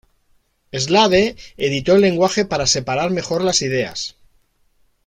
Slade editó el lenguaje para separar mejor las ideas.